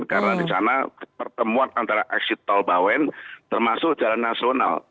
karena di sana pertemuan antara exit tol bawen termasuk jalan nasional